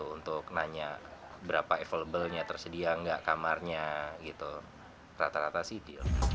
untuk nanya berapa available nya tersedia enggak kamarnya gitu rata rata sih dia